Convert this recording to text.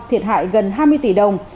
thiệt hại gần hai mươi tỷ đồng